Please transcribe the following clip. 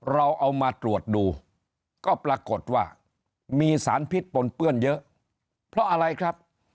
เราเอามาตรวจดูก็ปรากฏว่ามีสารพิษปนเปื้อนเยอะเพราะอะไรครับ